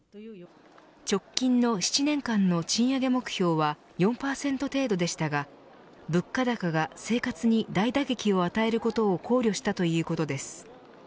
直近の７年間の賃上げ目標は４％程度でしたが物価高が生活に大打撃を与えることを考慮したということです。